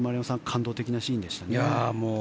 感動的なシーンでしたね。